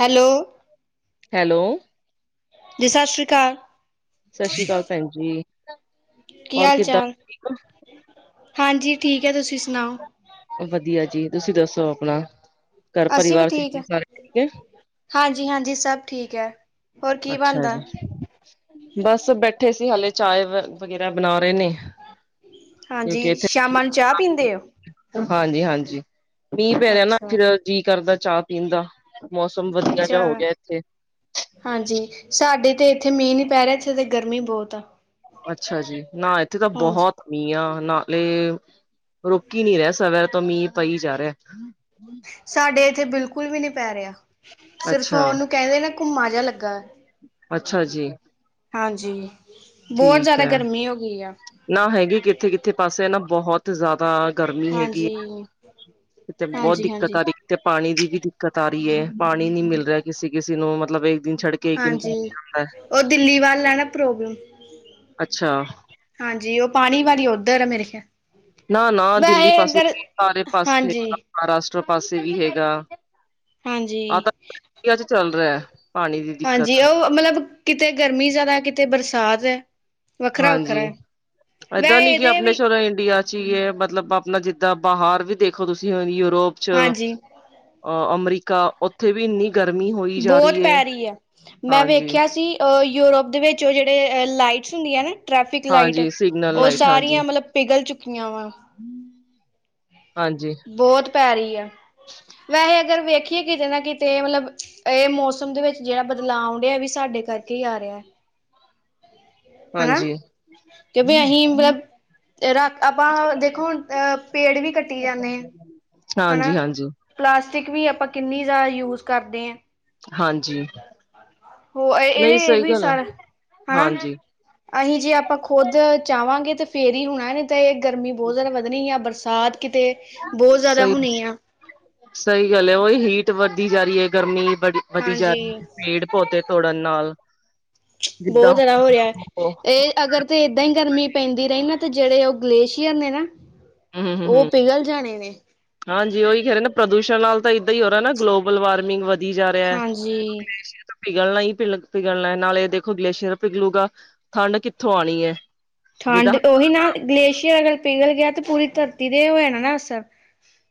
Hello hello ਜੀ ਸਤਿ ਸ਼੍ਰੀ ਕਾਲ ਸਤਿ ਸ਼੍ਰੀ ਕਾਲ ਭੈਨ ਜੀ, ਕੀ ਹੋਰ ਹਾਲ ਕਿੱਦਾਂ? ਚਾਲ ਹਾਂਜੀ ਠੀਕ ਹੈ, ਤੁਸੀਂ ਸੁਨਾਓ ਵਦੀਆ ਜੀ, ਤੁਸੀਂ ਦੱਸੋ ਆਪਣਾ ਘਰ ਅਸੀਂ ਵੀ ਪਰਿਵਾਰ ਚ ਠੀਕ ਆਂ, ਆਪਣੇ ਸਾਰੇ ਠੀਕ ਹੈ? ਹਾਂਜੀ-ਹਾਂਜੀ ਸਭ ਠੀਕ ਐ। ਹੋਰ ਕੀ ਅੱਛਾ ਬਨਦੈ? ਜੀ, ਬਸ ਬੈਠੇ ਸੀ, ਹਲੇ ਚਾਏ ਵਗ ਵਗੈਰਾ ਬਨਾ ਰਏ ਨੇ। ਕਿਉਂਕਿ ਹਾਂਜੀ, ਇੱਥੇ ਸ਼ਾਮਾਂ ਨੂੰ ਚਾ ਪੀਂਦੇ ਓ? ਹਾਂਜੀ-ਹਾਂਜੀ, ਮੀਂਹ ਪੈ ਰਿਆ ਨਾ, ਅੱਛਾ ਫਿਰ ਜੀਅ ਕਰਦਾ ਚਾ ਪੀਨ ਦਾ, ਮੌਸਮ ਵਦੀਆ ਜਾ ਅੱਛਾ ਹੋ ਗਿਆ ਇੱਥੇ ਹਾਂਜੀ, ਸਾਡੇ ਤੇ ਇੱਥੇ ਮੀਂਹ ਨੀ ਪੈ ਰਿਆ, ਇੱਥੇ ਤੇ ਗਰਮੀ ਬੋਤ ਐ। ਅੱਛਾ-ਜੀ, ਨਾ ਇੱਥੇ ਤਾਂ ਬਹੋਤ ਮੀਂ ਆ, ਨਾਲੇ ਰੁਕ ਈ ਨੀ ਰਿਆ, ਸਾਰ ਰਾਤ ਤੋਂ ਮੀਂ ਪਈ ਜਾ ਰਿਐ। ਸਾਡੇ ਐਥੇ ਬਿਲਕੁਲ ਵੀ ਨੀ ਪੈ ਰਿਆ। ਸਿਰਫ ਅੱਛਾ, ਓਹਨੂੰ ਕੈਂਦੇ ਨਾ ਘੁੰਮਾ ਜੇਆ ਲੱਗਾ ਐ ਅੱਛਾ-ਜੀ ਹਾਂਜੀ, ਬੋਤ ਜਾਦਾ ਹੈ, ਗਰਮੀ ਹੋ ਗਈ ਐ। ਨਾ, ਹੈਗੀ ਕਿੱਥੇ-ਕਿੱਥੇ ਪਾਸੇ ਨਾ ਬੋਹੋਤ ਜ਼ਾਦਾ ਗਰਮੀ ਹੈਗੀ ਏ, ਹਾਂਜੀ ਇੱਥੇ ਬੋਤ ਹਾਂਜੀ ਦਿੱਕਤ ਹਾਂਜੀ ਆ ਰੀ ਤੇ ਪਾਨੀ ਦੀ ਵੀ ਦਿੱਕਤ ਆ ਰੀ ਏ। ਪਾਨੀ ਨੀ ਮਿਲ ਰਿਆ ਕਿਸੀ ਕਿਸੀ ਨੂੰ, ਮਤਲਬ ਏਕ ਦਿਨ ਛੱਡ ਕੇ ਇੱਕ ਦਿਨ ਹਾਂਜੀ, ਪਾਣੀ ਆਉਂਦਾ ਓ ਦਿੱਲੀ ਵਾਲਾ ਐ ਨਾ ਪ੍ਰੋਬਲਮ ਅੱਛਾ ਹਾਂਜੀ, ਓ ਪਾਨੀ ਵਾਲੀ ਓਦਰ ਐ, ਮੇਰੇ ਖਿਆਲ ਨਾ-ਨਾ, ਦਿੱਲੀ ਵੈਸੇ ਪਾਸੇ ਅਗਰ ਵੀ ਸਾਰੇ ਪਾਸੇ ਹਾਂਜੀ ਹੈਗਾ। ਮਹਾਰਾਸ਼ਟਰ ਪਾਸੇ ਵੀ ਹੈਗਾ ਹਾਂਜੀ ਆ ਤਾਂ ਝੂਗੀਆਂ ਚ ਚੱਲ ਰਿਆ ਪਾਨੀ ਦੀ ਦਿੱਕਤ ਮਲਬ ਕਿਤੇ ਗਰਮੀ ਜ਼ਾਦਾ ਏ, ਕਿਤੇ ਬਰਸਾਤ ਏ। ਹਾਂਜੀ, ਐਦਾਂ ਵੈਸੇ ਨੀ ਕਿ ਇਹਦੇ ਆਪਨੇ ਵੀ ਸ਼ੋਰ ਇੰਡੀਆ ਚ ਜੀ ਐ ਮਤਲਬ ਆਪਨਾ ਜਿੱਦਾਂ ਬਾਹਰ ਵੀ ਦੇਖੋ ਤੁਸੀਂ ਯੂਰੋਪ ਚ ਹਾਂਜੀ ਅ ਅਮਰੀਕਾ ਓਥੇ ਵੀ ਇੰਨੀ ਗਰਮੀ ਹੋ ਬੋਤ ਪੈ ਰਈ ਐ, ਮੈਂ ਵੇਖਿਆ ਸੀ ਅ ਯੂਰੋਪ ਦੇ ਵਿੱਚ ਓਹ ਜੇਹੜੇ ਲਾਈਟਸ ਹੁੰਦੀਆਂ ਨੇ ਟ੍ਰੈਫਿਕ ਲਾਈਟ, ਹਾਂਜੀ ਸਿਗਨਲ ਓਹ ਲਾਈਟ ਹਾਂਜੀ ਸਾਰੀਆਂ ਮਲਬ ਪਿਗਲ ਚੁੱਕੀਆਂ ਵਾਂ ਹਾਂਜੀ ਬੋਤ ਪੈ ਰੀ ਐ ਵੈਹੇ ਅਗਰ ਵੇਖੀਏ ਕਿਤੇ ਨਾ ਕਿਤੇ ਮਲਬ ਐਹ ਮੌਸਮ ਦੇ ਵਿੱਚ ਜੇਹੜਾ ਬਦਲਾਵ ਆਉਂਡੇਆ ਐ ਵੀ ਸਾਡੇ ਕਰਕੇ ਕੀ ਆ ਰਿਐ? ਹਾਂਜੀ ਕੇ ਵੀ ਅਹੀਂ ਮਲਬ ਰ ਆਪਾਂ ਦੇਖੋ ਅਹ ਪੇੜ ਵੀ ਕੱਟੀ ਜਾਨੇ ਆਂ ਹਾਂਜੀ-ਹਾਂਜੀ। ਪਲਾਸਟਿਕ ਵੀ ਆਪਾਂ ਕਿੰਨੀ ਜ਼ਾਦਾ ਯੂਜ਼ ਕਰਦੇ ਆਂ। ਹਾਂਜੀ ਹੋ ਐ ਨਹੀਂ ਇਹਦੇ ਸਹੀ ਇਹੋ ਹੀ ਗੱਲ ਹੈ ਸਰ ਹੈਨਾ ਹਾਂਜੀ ਅਹੀ ਈ ਜੇ ਆਪਾਂ ਖੁੱਦ ਚਾਹਵਾਂਗੇ ਤੇ ਫੇਰ ਹੀ ਹੋਨਾ ਨਾ ਨਈ ਤਾਂ ਇਹ ਗਰਮੀ ਬਹੁਤ ਜ਼ਾਦਾ ਵਧਨੀ ਆ ਬਰਸਾ ਤਾਤ ਕਿਤੇ ਏ ਸਹੀ ਸਹੀ ਗੱਲ ਐ ਉਹੀ ਹੀਟ ਵਧਦੀ ਜਾ ਰਈ ਐ ਗਰਮੀ ਬੜੀ ਵਧੀ ਵਧੀ ਈ ਜਾ ਰਹੀ ਹਾਂਜੀ ਐ ਪੇਡ ਪੌਤੇ ਤੋੜਨ ਨਾਲ ਆ ਬਹੁਤ ਜਾਦਾ ਹੋ ਰਿਹਾ ਇਹ ਅਗਰ ਤੇ ਏ ਇਦਾਂ ਹੀ ਗਰਮੀ ਪੈਂਦੀ ਰਹੀ ਨਾ ਤੇ ਜਿਹੜੇ ਉਹ ਗਲੇਸ਼ੀਅਰ ਨੇ ਨਾ ਹਮ ਹਮ ਉਹ ਹਮ ਪਿਘਲ ਜਾਨੇ ਨੇ ਤੇ ਹਾਂਜੀ ਉਹੀ ਕਹਿ ਰਹੇ ਨਾ ਪ੍ਰਦੂਸ਼ਣ ਨਾਲ ਤਾਂ ਏਦਾਂ ਈ ਹੋ ਨਾ ਗਲੋਬਲ ਵਾਰਮਿੰਗ ਵਧ ਦੀ ਜਾ ਰਿਆ ਐ ਉ ਹਾਂਜੀ ਗਲੇਸ਼ੀਅਰ ਪਿਘਲਣਾ ਈ ਪਿਲ ਪਿਘਲਣਾ ਨਾਲੇ ਦੇਖੋ ਗਲੇਸ਼ੀਅਰ ਪਿਗਲੂਗਾ ਆ ਥੰਡ ਕਿੱਥੋਂ ਆਨੀ ਐ ਠੰਡ ਉਹੀ ਨਾ ਗਲੇਸ਼ੀਅਰ ਅਗਰ ਪਿਘਲ ਗਿਆ ਤਾਂ ਪੂਰੀ ਧਰਤੀ ਤੇ ਹੋਆ ਆਨਾ ਨਾ ਅਸਰ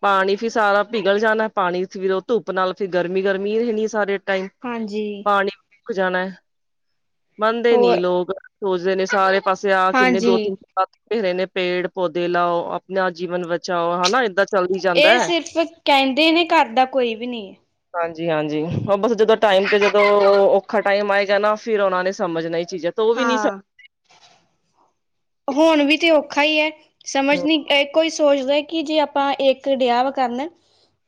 ਪਾਨੀ ਫਿਰ ਸਾਰਾ ਪਿਘਲ ਜਾਨਾ ਪਾਨੀ ਚ ਫਿਰ ਉਹ ਧੁੱਪ ਨਾਲ ਫਿਰ ਗਰਮੀ ਗਰਮੀ ਹੋ ਜਾਣੀ ਐ ਸਾਰੇ ਟਾਈਮ ਹਾਂਜੀ ਈ ਪਾਣੀ ਮੁਕ ਜਾਣਾ ਐ ਮੰਨਦੇ ਨੀ ਹੋਰ ਲੋਕ ਸੋਚਦੇ ਨੇ ਸਾਰੇ ਅ ਪਾਸੇ ਆ ਕਿੰਨੇ ਦੋ ਹਾਂਜੀ ਤਿੰਨ ਪਾ ਆ ਪਤੇਰੇ ਰਹੇ ਨੇ ਪੇੜ ਪੌਦੇ ਲਾਓ ਆਪਣਾ ਜੀਵਨ ਬਚਾਓ ਹਨਾ ਏਦਾਂ ਚੱਲਦੀ ਜਾਂਦਾ ਏਹ ਹੈ। ਸਿਰਫ ਕਹਿੰਦੇ ਨੇ ਕਰ ਦਾ ਕੋਈ ਵੀ ਨਈ ਐ ਹਾਂਜੀ ਈ ਹਾਂਜੀ ਈ ਉਹ ਬਸ ਜਦੋਂ ਟਾਈਮ ਤੇ ਜਦੋ ਓ ਉਹ ਔਖਾ ਟਾਈਮ ਆਏਜਾ ਨਾ ਫਿਰ ਉਹਨਾਂ ਨੇ ਸਮਝਣਾ ਏ ਚੀਜ਼ਾਂ ਤਾਂ ਉਹ ਵੀ ਨਹੀਂ ਸਮ ਹਾਂ ਹੁਣ ਵੀ ਤੇ ਔਖਾ ਈ ਐ ਸਮਝ ਨੀ ਏ ਕੋਈ ਸੋਚਦਾ ਕਿ ਜੇ ਆਪਾਂ ਇੱਕ ਦੇਆ ਵਾ ਕਰਨ ਆ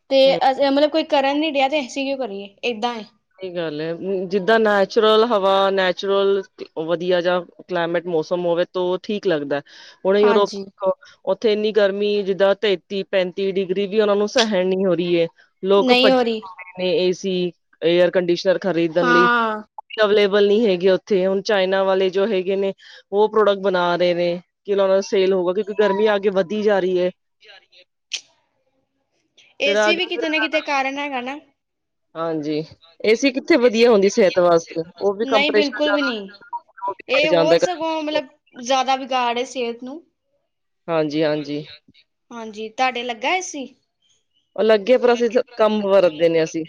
ਤੇ ਹੂੰ ਆ ਜ ਮਲਬ ਕੋਈ ਕਰਨ ਨੀ ਡਿਆ ਤੇ ਅਸੀਂ ਕਿਉਂ ਕਰੀਏ ਏਦਾਂ ਏ ਸਹੀ ਗੱਲ ਐ ਜਿੱਦਾਂ ਨੈਚੁਰਲ ਹਵਾ ਆ ਨੈਚੁਰਲ ਵਧੀਆ ਜਾ ਆ ਕਲਾਈਮੇਟ ਮੌਸਮ ਹੋਵੇ ਤੋ ਠੀਕ ਲੱਗਦਾ ਐ ਹੁਣ ਯੂਰੋਪ ਹਾਂਜੀ ਕੋਸ ਉੱਥੇ ਇੰਨੀ ਗਰਮੀ ਜਿਦਾਂ ਤੇਤੀ ਪੈਂਤੀ ਈ ਡਿਗਰੀ ਵੀ ਉਹਨਾ ਨੂੰ ਸਹਿਣ ਨੀ ਹੋ ਰਹੀ ਐ ਲੋਕ ਨਹੀਂ ਹੋ ਭੱਚੇ ਰਹੀ ਨੇ ਏਸੀ ਏਅਰ ਕੰਡੀਸ਼ਨਰ ਖਰੀਦਣ ਲਈ ਹਾਂ ਅਵਲੇਬਲ ਨਹੀਂ ਹੈਗੇ ਉੱਥੇ ਹੁਣ ਚਾਈਨਾ ਵਾਲੇ ਜੋ ਹੈਗੇ ਨੇ ਏ ਉਹ ਪ੍ਰੋਡਕਟ ਬਣਾ ਰਹੇ ਨੇ ਜਿਨਾ ਸੇਲ ਹੋਊਗਾ ਕਿਉਂਕਿ ਗਰਮੀ ਆ ਕੇ ਵਧੀ ਜਾ ਰਹੀ ਹੈ ਵਧੀ ਜਾ ਰਹੀ ਐ ਫਿਰ ਏ ਸੀ ਵੀ ਆਗੇ ਫਿਰ ਕਿਤੇ ਨਾ ਕਿਤੇ ਤੇ ਕਾਰਨ ਹੈਗਾ ਨਾ ਹਾਂਜੀ ਈ ਏ ਸੀ ਕਿੱਥੇ ਵਧੀਆ ਹੁੰਦੀ ਈ ਸਿਹਤ ਵਾਸਤੇ ਉਹ ਵੀ ਨਹੀਂ ਕੰਪਰੇਸ਼ਨ ਬਿਲਕੁਲ ਵੀ ਜਿਆਦਾ ਨਹੀਂ ਐ ਇਹ ਹੋਰ ਸਗੋਂ ਓ ਮਲਬ ਜ਼ਿਆਦਾ ਬਿਗਾੜ ਸਿਹਤ ਨੂੰ ਹਾਂਜੀ ਹਾਂਜੀ ਈ ਹਾਂਜੀ ਤਾਡੇ ਲੱਗਾ ਆ ਏ ਸੀ ਈ ਉਹ ਲੱਗੇ ਪਰ ਅਸੀਂ ਕਮ ਵਰਤਦੇ ਏ ਅਸੀਂ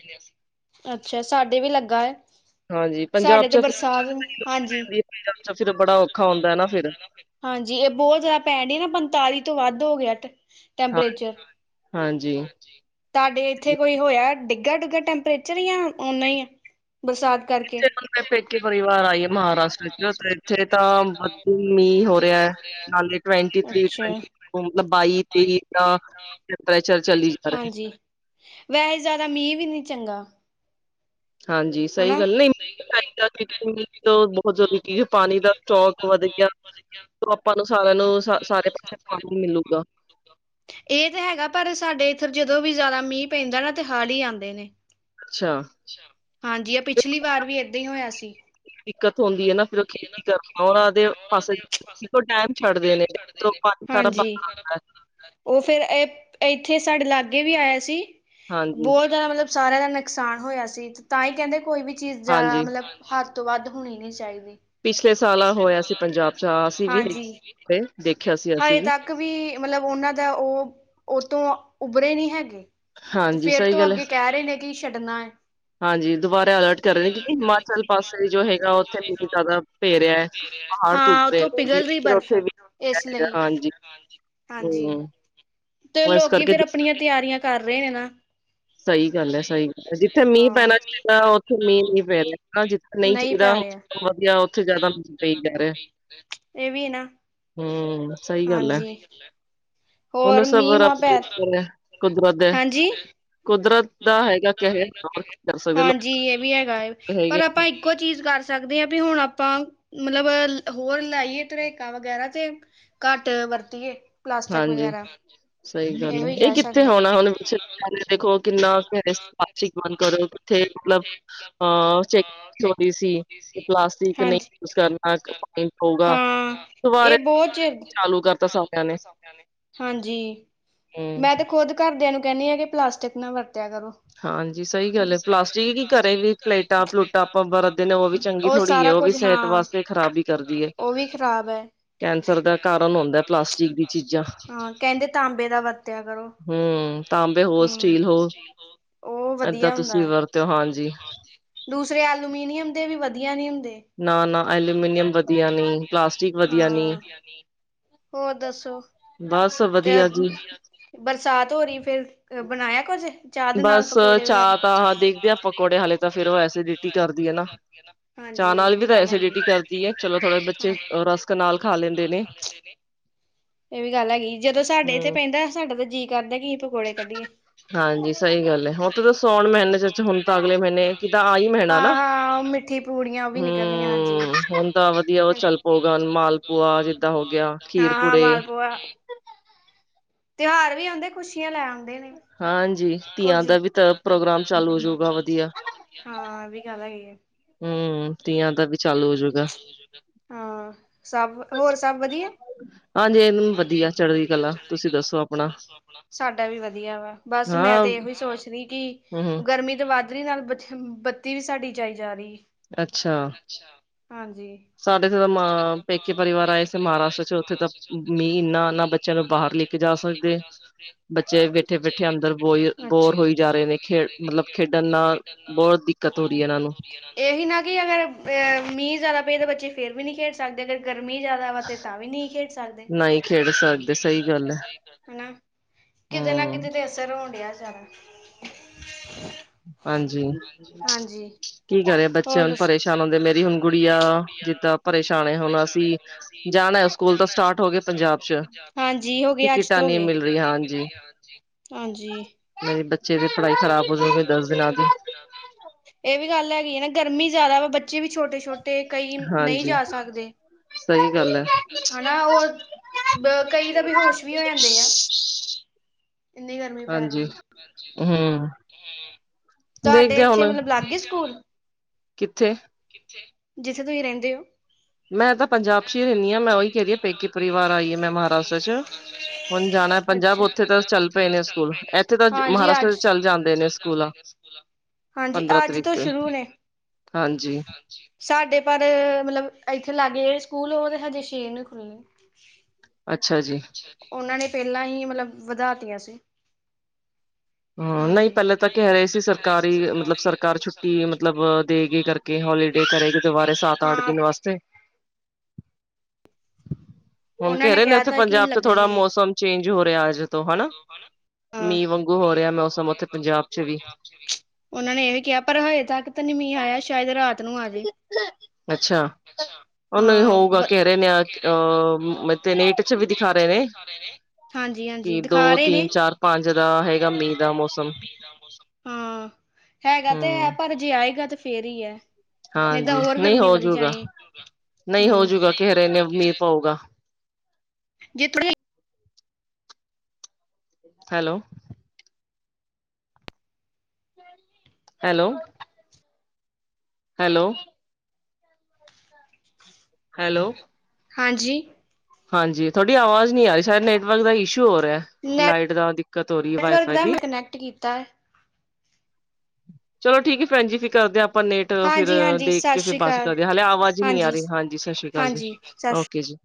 ਅੱਛਾ ਸਾਡੇ ਵੀ ਲੱਗਾ ਐ ਏ ਹਾਂਜੀ ਪੰਜਾਬ ਸਾਡੇ ਤੇ ਚ ਫਿਰ ਬਰਸਾਦ ਨੂੰ ਹਾਂਜੀ ਰਹਿੰਦੀ ਹੈ, ਭੈਣ ਪੰਜਾਬ ਚ ਫਿਰ ਜੀ ਬੜਾ ਨਾ ਔਖਾ ਹੁੰਦਾ ਮੈਂ ਫਿਰ ਹਾਂਜੀ ਇਹ ਬਹੁਤ ਜ਼ਿਆਦਾ ਪੈਣ ਡੀ ਨਾ ਪੰਤਾਲੀ ਤੋਂ ਵੱਧ ਹੋ ਗਿਆ ਹਾਂ ਟੈਂਪਰੇਚਰ ਹਾਂਜੀ ਈ ਤਾਡੇ ਇੱਥੇ ਕੋਈ ਹੋਇਆ ਡਿੱਗਾ ਡੁਗਾ ਟੈਂਪਰੇਚਰ ਜਾਂ ਆ ਓਨਾ ਈ ਆ ਬਰਸਾਤ ਕਰਕੇ ਇੱਥੇ ਤਾ ਮੈ ਪੇਕੇ ਪਰਿਵਾਰ ਆਈ ਆ ਮਹਾਰਾਸ਼ਟਰ ਚ ਨਾ ਇੱਥੇ ਤਾਂ ਆ ਮੀਂਹ ਹੋ ਰਿਹਾ ਐ ਨਾਲੇ ਟਵੈਂਟੀ ਥ੍ਰੀ ਈ ਅੱਛਾ ਟਵੈਂਟੀ ਮਤਲਬ ਬਾਈ ਤੇਈ ਏਦਾ ਆ ਪਰੇਚਰ ਚੱਲੀ ਜਾ ਰਿਹਾ ਵੈਹੇ ਜ਼ਿਆਦਾ ਮੀਂਹ ਵੀ ਨੀ ਚੰਗਾ ਆ ਹਾਂਜੀ ਸਹੀ ਗੱਲ ਨਹੀ ਮ ਚ ਬਹੁਤ ਜਲਦੀ [unintelligible] ਪਾਣੀ ਦਾ ਸਟੋਕ ਵਧ ਗਿਆ ਆਪਾਂ ਨੂੰ ਸਾਰਿਆਂ ਨੂੰ ਸ ਸਾਰੇ ਪਾਸੇ ਪਾਣੀ ਮਿਲੂਗਾ ਇਹ ਤੇ ਹੈਗਾ ਪਰ ਸਾਡੇ ਇੱਥਰ ਜਦੋਂ ਵੀ ਜ਼ਿਆਦਾ ਮੀਂਹ ਪੈਂਦਾ ਨਾ ਤੇ ਹੜ ਹੀ ਆਂਦੇ ਨੇ ਅੱਛਾ ਹਾਂਜੀ ਏ ਫਿਰ ਪਿਛਲੀ ਵਾਰ ਵੀ ਏਦਾਂ ਹੀ ਹੋਇਆ ਸੀ ਦਿੱਕਤ ਹੁੰਦੀ ਹੈ ਨਾ ਫਿਰ ਉਹ ਖੇਤੀ ਕਰਨਾ ਰ ਆਦੇ [unintelligible] ਪਾਸੇ ਉਹ ਡੈਮ ਛੱਡਦੇ ਨੇ। ਪਾ ਤਰ ਹਾਂਜੀ। ਬਹਾਨਾ ਹੁੰਦਾ [unintelligible] ਉਹ ਫੇਰ ਏ ਇੱਥੇ ਸਾਡੇ ਲਾਗੇ ਵੀ ਆਇਆ ਸੀ ਹਾਂਜੀ ਬਹੁ ਜ਼ਿਆਦਾ ਮਤਲ ਸਾਰਿਆਂ ਦਾ ਨੁਕਸਾਨ ਹੋਇਆ ਸੀ ਤਾਂ ਈ ਕਹਿੰਦੇ ਕੋਈ ਵੀ ਚੀਜ਼ ਜ਼ਿਆਦਾ ਹਾਂਜੀ ਮਲਬ ਹੱਰ ਤੋਂ ਵੱਧ ਹੋਣੀ ਨੀ ਚਾਹੀਦੀ ਪਿਛਲੇ ਆ ਪਿਛਲੇ ਹੋਇਆ ਸਾਲ ਪਿਆ ਪੰਜਾਬ ਸੀ ਹਾਂ ਪੰਜਾਬ ਅਸੀਂ ਚ ਵੀ ਹਾਂਜੀ ਤੇ ਦੇਖਿਆ ਸੀ ਅਸੀਂ ਹਜੇ ਵੀ ਤੱਕ ਏਕ ਵੀ ਮਲਬ ਉਹਨਾਂ ਦਾ ਉਹ ਉਸ ਤੋਂ ਉਭਰੇ ਨੀ ਹੈ ਤੇ ਹਾਂਜੀ ਫੇਰ ਸਹੀ ਤੋਂ ਗੱਲ ਹੈ ਅੱਗੇ ਕਹਿ ਰਹੇ ਨੇ ਕਿ ਛੱਡਣਾ ਏ ਹਾਂਜੀ ਦੁਬਾਰਾ ਅਲਰਟ ਕਰ ਰਹੇ ਨੇ 'ਕਿਉਂਕਿ ਹਿਮਾਚਲ ਪਾਸੇ ਜੋ ਹੇਗਾ ਉੱਥੇ ਮੀ ਜ਼ਿਆਦਾ ਪੇ ਰਿਹਾ ਐ ਪਹਾੜ ਹਾਂ ਟੁੱਟ ਰਹੇ ਉੱਥੋਂ ਨੇ ਪਿਘਲ ਰਹੀ [unintelligible] ਬਰਫ਼। ਉੱਥੇ ਵੀ ਇਸ [unintelligible] ਲਈ ਹਾਂਜੀ ਹਾਂਜੀ। ਹਮ ਤੇ ਉਹ ਇਸ ਲੋਕੀ ਕਰਕੇ ਫੇਰ ਦਿੱ ਆਪਣੀਆਂ ਤਿਆਰੀਆਂ ਕਰ ਰਹੇ ਨੇ ਨਾ ਸਹੀ ਗੱਲ ਐ ਸਹੀ ਜਿੱਥੇ ਮੀਂਹ ਹਾਂ ਪੈਣਾ ਨਹੀਂ ਚਾਹੀਦਾ ਉੱਥੇ ਮੀਂਹ ਨੀ ਪੈ ਰਿਹਾ ਹਨਾਂ ਜੀ ਨਹੀਂ ਚਾਹੀਦਾ ਪੈ ਰਿਹਾ ਵਧੀਆ ਉੱਥੇ ਜਿਆਦਾ ਪਈ ਜਾ ਰਿਹਾ ਐ ਇਹ ਵੀ ਨਾ ਹਮ ਹਾਂਜੀ ਉਹਨੂੰ ਹੋਰ ਸਭ ਮੀਂਹ ਮਾਂ ਰੱਬ ਪੈ [unintelligible] ਕੁਦਰਤ ਐ ਹਾਂਜੀ ਕੁਦਰਤ ਦਾ ਹੈਗਾ ਕਹਿਰ ਹੋਰ ਕਰ ਸਕਦੇ ਹਾਂਜੀ ਲੋਕ ਇਹ ਵੀ ਹੈਗਾ ਹੈ ਪਰ ਹੈਗੇ ਆਪਾਂ [unintelligible] ਇੱਕੋ ਚੀਜ਼ ਕਰ ਸਕਦੇ ਆਂ ਪਈ ਹੁਣ ਆਪਾਂ ਮਲਬ ਹੋਰ ਲਾਈਏ ਧਰੇਕਾ ਵਗੈਰਾ ਤੇ ਘੱਟ ਵਰਤੀਏ ਪਲਾਸਟਿਕ ਹਾਂਜੀ ਵਗੈਰਾ ਸਹੀ ਗੱਲ ਇਹੋ ਐ ਹੀ ਇਹ ਕਹਿ ਕਿੱਥੇ ਸਕਦੇ ਹੋਣਾ ਹੁਣ ਦੇਖੋ ਕਿੰਨਾ ਕ ਪਲਾਸਟਿਕ ਬੰਦ ਕਰੋ ਕਿੱਥੇ ਮਤਲਬ ਅਹ ਚੈਕ ਹੋ ਰਹੀ ਸੀ ਕਿ ਪਲਾਸਟਿਕ ਨਹੀਂ ਹਾਂਜ ਯੂਜ ਕਰਨਾ ਫਾਈਨ ਹੋਊਗਾ, ਹਾਂ ਇਹ ਦੁਬਾਰਾ ਬੋਝ ਤਾਂ [unintelligible] ਨੇ ਚਾਲੂ ਕਰਤਾ ਸਾਰਿਆਂ ਨੇ। [unintelligible] ਹਾਂਜੀ ਹੂੰ, ਮੈਂ ਤੇ ਖੁਦ ਘਰਦਿਆਂ ਨੂੰ ਕੈਹਨੀ ਹਾਂ ਕਿ ਪਲਾਸਟਿਕ ਨਾਲ ਵਰਤਿਆ ਕਰੋ ਹਾਂਜੀ ਸਹੀ ਗੱਲ ਐ ਪਲਾਸਟਿਕ ਕੀ ਘਰੇ ਵੀ ਪਲੇਟਾਂ, ਪਲੂਟਾਂ ਅਪਾਂ ਵਰਤਦੇ ਨੇ ਉ ਵੀ ਚੰਗੀ ਉਹ ਥੋੜ੍ਹੀ ਏ ਸਾਰਾ ਉ ਵੀ ਕੁਝ ਸੇਹਤ ਹਾਂ ਵਾਸਤੇ ਖ਼ਰਾਬੀ ਕਰਦੀ ਐ ਉਹ ਵੀ ਖ਼ਰਾਬ ਹੈ। ਕੈਂਸਰ ਦਾ ਕਾਰਨ ਹੁੰਦਾ ਪਲਾਸਟਿਕ ਦੀ ਚੀਜ਼ਾਂ ਹਾਂ ਕਹਿੰਦੇ ਤਾਂਬੇ ਦਾ ਵਰਤਿਆ ਕਰੋ ਹਮ ਤਾਂਬੇ ਹੋ ਸਟੀਲ ਹੋ ਅੋ ਏਦਾਂ ਵਧੀਆ ਹੁੰਦਾ ਤੁਸੀਂ ਐ ਵਰਤਿਓ ਹਾਂਜੀ, ਦੂਸਰੇ ਐਲੂਮੀਨੀਅਮ ਦੇ ਵੀ ਵਧੀਆ ਨੀ ਹੁੰਦੇ ਨਾ ਨਾ ਐਲੂਮੀਨੀਅਮ ਵਧੀਆ ਨੀ ਪਲਾਸਟਿਕ ਵਧੀਆ ਨੀ ਹਾਂ ਹੋਰ ਦੱਸੋ ਬਸ ਤੇ ਵਧੀਆ ਜੀ ਬਰਸਾਤ ਹੋ ਰੀ ਫੇਰ ਬਣਾਇਆ ਕੁਝ ਚਾਹ ਦੇ ਨਾਲ ਬਸ ਪਕੌੜੇ ਵਗੈਰਾ ਚਾਹ [unintelligible] ਤਾਂ ਦੇਖਦੇ ਆ ਪਕੌੜੇ ਹਾਲੇ ਤਾਂ ਫੇਰ ਉਹ ਐਸੀਡਿਟੀ ਕਰਦੀ ਹੈ ਨਾ ਚਾਹ ਹਾਂਜੀ ਨਾਲ ਏਵੀ ਵੀ ਤਾਂ ਗਲ ਹੈਗੀ ਐਸੀਡਿਟੀ ਕਰਦੀ ਹੈ ਚਲੋ ਥੋੜੇ ਬੱਚੇ ਰਸਕ ਨਾਲ ਖਾ ਲੈਂਦੇ ਨੇ [unintelligible] ਏ ਵੀ ਗਲ ਹੈਗੀ ਜਦੋਂ ਸਾਡੇ ਇੱਥੇ ਹਮ ਪੇਂਡ ਸਾਡਾ ਤਾਂ ਜੀ ਕਰਦਾ ਕੀ ਪਕੌੜੇ ਕੱਢੀਏ ਹਾਂਜੀ ਸਹੀ ਗੱਲ ਹੈ ਹੁਣ ਤਾਂ ਸਾਉਣ ਮਹੀਨੇ ਚ ਹੁਣ ਤਾਂ ਅਗਲੇ ਮਹੀਨੇ ਕਿੱਦਾਂ ਆਈ [unintelligible] ਮਹੀਣਾ ਹਾਂ ਨਾ ਹਾਂ ਉਹ ਮਿ ਠੀ ਪੂੜੀਆਂ ਵੀ ਨਿਕਲਣੀਆਂ ਹਾਂਜੀ ਹਮ ਹੁਣ ਤਾਂ ਵਧੀਆ ਉਹ ਚੱਲ ਪਊਗਾ ਮਾਲਪੂਆ ਜਿੱਦਾਂ [unintelligible] ਹੋ ਗੇਆ ਖੀਰ ਹਾਂ ਪੂੜੇ [unintelligible] ਤਿਉਹਾਰ ਵੀ ਆਉਂਦੇ, ਖੁਸ਼ੀਆਂ ਲੈ ਆਉਂਦੇ ਆ। ਹਾਂਜੀ, ਧੀਆਂ ਦਾ ਵੀ ਤਾਂ ਪ੍ਰੋਗਰਾਮ ਚਾਲੂ ਹੋਜੂਗਾ ਵਧੀਆ। ਹਾਂ ਐ ਵੀ ਗੱਲ ਹੈਗੀ ਆ। ਹੂੰ। [unintelligible] ਹਾਂ, ਸਭ ਹੋਰ ਸਭ ਵਧੀਆ? ਹਾਂਜੀ [inaudible] ਹਾਂਜੀ ਚੜ੍ਹਦੀ ਵਧੀਆ ਕਲਾ ਤੁਸੀਂ ਚੜ੍ਹਦੀਕਲਾ ਦੱਸੋ ਤੁਸੀ ਆਪਣਾ ਦਸੋ ਆਪਣਾ? ਸਾਡਾ ਵੀ ਵਧੀਆ ਵਾ। ਬਸ ਮੈਂ ਹਾਂ ਤੇ ਏਹੋ ਸੋਚ ਰਹੀ ਕਿ ਹਮ ਗਰਮੀ ਤੋਂ ਵੱਧ ਵੱਧਦੀ ਨਾਲ ਬ ਬੱਤੀ ਵੀ ਸਾਡੀ ਜਾਈ ਜਾ ਰਹੀ ਏ। ਅੱਛਾ। ਅੱਛਾ, ਹਾਂਜੀ। ਸਾਡੇ ਤਾਂ ਮ ਪੇਕੇ ਪਰਿਵਾਰ ਆਏ ਸੀੇ ਮਹਾਰਾਸ਼ਟਰ ਚ, ਉੱਥੇ ਤਾਂ ਮੀਂਹ ਏਨਾ ਏਨਾ ਚਲੋ ਬਾਹਰ ਲੈ ਕੇ ਜਾ ਸਕਦੇ, ਬੱਚੇ ਬੈਠੇ-ਬੈਠੇ ਅੰਦਰ ਬੋ ਬੋਰ ਹੋਈ ਅੱਛਾ ਜਾ ਰਹੇ ਨੇ ਖੇਡ ਮਤਲਬ ਖੇਡਣ ਨਾਲ, ਬਹੁਤ ਦਿੱਕਤ ਹੋ ਰਹੀ ਐ ਏਨਾਂ ਨੂੰ। ਏਹੀ ਨਾ ਕਿ ਫੇਰ ਮੀਂਹ ਜਿਆਦਾ ਪਏ ਤਾਂ ਬੱਚੇ ਫੇਰ ਵੀ ਨਹੀਂ ਖੇਡ ਸਕਦੇ ਅਗਰ ਗਰਮੀ ਜ਼ਾਆਦਾ ਵਾ ਤੇ ਤਾਂ ਵੀ ਨੀਂ ਖੇਡ ਸਕਦੇ। ਨਾ ਹੀ ਖੇਡ ਨਹੀਂ ਸਕਦੇ ਖੇਡ ਸਹੀ ਸਕਦੇ ਗੱਲ ਹੈ। ਸਈ ਗੱਲ ਆ, ਹਨਾ ਕਿਤੇ ਨਾ ਹੂੰ, ਕਿਤੇ [unintelligible] ਹਾਂਜੀ, ਹਾਂਜੀ ਕੀ ਕਰੇ ਹੋਰ ਬੱਚਿਆਂ ਨੂੰ ਦੱਸੋ ਪਰੇਸ਼ਾਨ ਹੁੰਦੇ, ਮੇਰੀ ਹੁਣ ਗੁੜੀਆ ਜਿੱਦਾਂ ਪਰੇਸ਼ਾਨ ਏ ਹੁਣ ਅਸੀਂ ਜਾਣਾ ਸਕੂਲ ਤਾਂ ਜਾਣਾ ਸਟਾਰਟ ਸਕੂਲ ਹੋ ਤਾਂ ਗਏ ਸਟਾਟ ਹੋਗੇ ਪੰਜਾਬ ਚ, ਹਾਂਜੀ ਹੋਗੇ ਅੱਜ ਟਿਕਟਾਂ ਤੋਂ ਨਹੀਂ ਹੋਗੇ ਮਿਲ ਰਹੀ ਹਾਂਜੀ। [inaudible] ਹਾਂਜੀ। ਮੇਰੇ ਬੱਚੇ ਦੀ ਪੜ੍ਹਾਈ ਖ਼ਰਾਬ ਹੋ ਜਾਏਗੀ ਦਸ ਦਿਨਾਂ ਦੀ। ਏ ਵੀ ਗੱਲ ਹੈਗੀ ਐ ਨਾ, ਗਰਮੀ ਜ਼ਿਆਦਾ ਵਾ, ਬੱਚੇ ਵੀ ਛੋਟੇ-ਛੋਟੇ ਤੇ ਕਈ ਨਈਂ ਹਾਂਜੀ। ਜਾ ਸਕਦੇ। ਸਹੀ ਗੱਲ ਹੈ। ਹਨਾ, ਓ ਕਈ ਤਾਂ ਬੇਹੋਸ਼ ਵੀ ਹੋ ਜਾਂਦੇ ਆ। ਕਿੰਨੀ ਗਰਮੀ ਪੈ ਹਾਂਜੀ ਰਹੀ ਏ, ਹਾਂਜੀ। ਹੂੰ। ਹੂੰ, ਤੁਹਾਡੇ ਦੇਖਦੇ ਆ ਏਥੇ ਹੁਣ ਮਤਲਬ ਲੱਗ ਗਏ ਸਕੂਲ? ਕਿੱਥੇ? ਕਿੱਥੇ? ਜਿੱਥੇ ਤੁਸੀਂ ਰਹਿੰਦੇ ਓ? ਮੈਂ ਤਾਂ ਪੰਜਾਬ ਮੈਂ ਚ ਹੀ ਤਾਂ ਰਹਿੰਦੀ ਹਾਂ ਪੰਜਾਬ ਚ ਮੈਂ ਹੀ ਉਹੀ ਕਹਿ ਰਹਿਣੀ ਰਹੀ ਹਾਂ ਆ ਮੈਂ ਪੇਕੇ ਉਹੀ ਕਹਿਣੀ ਪਰਿਵਾਰ ਪਈ ਆਈਏ ਕਿਤਨੀ ਮੈਂ ਵਾਰ ਆਈ ਮਹਾਰਾਸ਼ਟਰ ਚ ਮੈਂ ਹੁਣ ਜਾਣਾ ਮਹਾਰਾਸ਼ਟਰ ਚ। ਪੰਜਾਬ ਅੱਛਾ ਉੱਥੇ ਤਾਂ ਪੰਜਾਬ ਚੱਲ ਉਥੇ ਪਏ ਤਾਂ ਨੇ ਚੱਲ ਸਕੂਲ ਪਏ ਨੇ ਅੱਜ ਇੱਥੇ ਤਾਂ ਸਕੂਲ, ਹਾਂਜੀ, ਮਹਾਰਾਸ਼ਟਰ ਅੱਜ ਚ ਚੱਲ ਮਹਾਰਾਸ਼ਟਰ ਜਾਂਦੇ ਚ ਨੇ ਚਲ ਸਕੂਲ ਜਾਂਦੇ ਆ ਨੇ ਸਕੂਲ। ਹਾਂਜੀ ਪੰਦਰਾਂ ਅੱਜ ਤਰੀਕ ਤੋਂ ਤੇ ਸ਼ੁਰੂ ਨੇ। ਹਾਂਜੀ। ਸਾਡੇ ਪਰ ਮਤਲੱਬ ਇੱਥੇ ਲਾਗੇ ਜਿਹੜੇ ਸਕੂਲ ਉਹ ਤੇ ਹਜੇ ਛੈ ਨੂੰ ਖੁੱਲਣੇ। ਅੱਛਾ ਜੀ। ਉਹਨਾਂ ਨੇ ਪਹਿਲਾਂ ਹੀ ਮਤਲਬ ਵਧਾ ਤੀਆ ਸੀ। ਹਾਂ ਨਹੀਂ ਹਾਂਜੀ ਪਹਿਲਾਂ ਤਾਂ ਕਹਿ ਰਹੇ ਸੀ ਸਰਕਾਰੀ ਮਤਲਬ ਸਰਕਾਰ ਛੁੱਟੀ ਮਤਲਬ ਦੇ ਕੇ ਕਰਕੇ ਹੋਲੀਡੇ ਕਰੇਗੀ ਦੁਬਾਰੇ ਸਾਤ ਆਠ ਹਾਂ ਦਿਨ ਵਾਸਤੇ। ਹੁਣ ਉਹਨਾਂ ਕਹਿ ਰਹੇ ਨੇ ਕਿਹਾ ਉੱਥੇ ਤਾਂ ਕਿ ਪੰਜਾਬ ਚ ਥੋੜਾ ਲੱਗਣੇ ਨੇ ਮੌਸਮ ਚੇਂਜ ਹੋ ਰਿਹਾ ਅੱਜ ਤੋਂ ਹਨਾ, ਹਾਂ ਮੀਂਹ ਵਾਂਗੂ ਹੋ ਰਿਹਾ ਮੌਸਮ ਉੱਥੇ ਪੰਜਾਬ ਚ ਵੀ। ਉਹਨਾਂ ਨੇ ਇਹ ਵੀ ਕਿਆ ਪਰ ਹਜੇ ਤੱਕ ਤਾਂ ਨੀ ਮੀਂਹ ਆਇਆ ਸ਼ਾਇਦ ਰਾਤ ਨੂੰ ਆਜੇ। ਅੱਛਾ। ਉਹਨੂੰ ਹੀ ਹਾਂ, ਲੋਕ ਹੋਊਗਾ ਕਹਿ ਨੇ ਰਹੇ ਅਹ ਤੇ ਨੇਟ ਕਿ ਚ ਵੀ ਦਿਖਾ ਨੈੱਟ ਚ ਨੇ ਦਿਖਾ ਰਹੇ ਨੇ, ਹਾਂਜੀ ਹਾਂਜੀ ਕਿ ਦਿ ਖਾ ਦੋ ਰਏ ਤਿੰਨ ਨੇ, ਚਾਰ ਪੰਜ ਦਾ ਹੈਗਾ ਮੀਂਹ ਦਾ ਮੌਸਮ ਹਾਂ। ਹੈਗਾ ਤੇ ਹੈ ਹੂੰ ਪਰ ਜੇ ਆਏਗਾ ਤੇ ਫੇਰ ਈ ਏ। ਨਈ ਤਾਂ ਹਾਂਜੀ ਹੋਰ ਨਹੀਂ ਗਰਮੀ ਵਧ ਹੋਜੂਗਾ ਜਾਣੀ। ਹੂੰ ਹੋਊਗਾ। [unintelligible] ਹੈਲੋ। ਹੈਲੋ। ਹੈਲੋ। ਹੈਲੋ। ਹਾਂਜੀ। ਹਾਂਜੀ ਤੁਹਾਡੀ ਆਵਾਜ਼ ਨੀ ਆ ਰਈ ਸ਼ਾਇਦ ਨੈੱਟਵਰਕ ਦਾ ਇਸ਼ੂ ਹੋ ਰੇਐ। ਲਾਈਟ ਦਾ ਦਿੱਕਤ ਹੋ ਰਈ ਏ ਵਾਈ ਨੈਟਵਰਕ ਫਾਈ ਦਾ ਦੀ। ਮੈਂ ਕਨੈਕਟ ਕੀਤਾ ਚਲੋ ਠੀਕ ਏ ਭੈਨਜੀ ਫਿਰ ਕਰਦੇ ਆਂ ਆਪਾਂ ਨੈਟ ਫਿਰ ਹਾਂਜੀ ਹਾਂਜੀ ਦੇਖ ਸਤਿ ਕੇ ਫਿਰ ਸ੍ਰੀ ਬੱਸ ਅਕਾਲ ਕਰਦੇ ਆ, ਹਾਲੇ ਆਵਾਜ਼ ਈ ਨੀ ਆ ਰਈ ਹਾਂਜੀ ਸਸ ਸ੍ਰੀ ਕਾਲ ਜੀ ਹਾਂਜੀ ਸਤਿ ਸ਼੍ਰੀ ਓਕੇ ਜੀ।